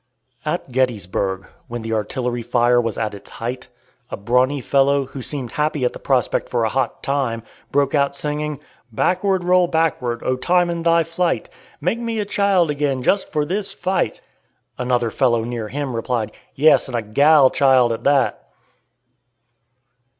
At Gettysburg, when the artillery fire was at its height, a brawny fellow, who seemed happy at the prospect for a hot time, broke out singing: "Backward, roll backward, O Time in thy flight: Make me a child again, just for this fight!" Another fellow near him replied, "Yes; and a gal child at that."